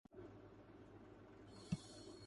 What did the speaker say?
دعا ہے کہ یہ دونوں چیزیں ہمیشہ قائم رہیں۔